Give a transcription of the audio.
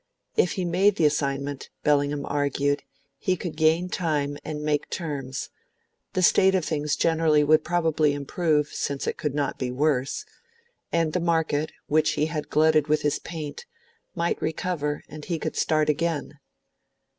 If he made the assignment, Bellingham argued, he could gain time and make terms; the state of things generally would probably improve, since it could not be worse, and the market, which he had glutted with his paint, might recover and he could start again.